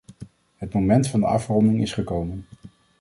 Het moment van de afronding is gekomen.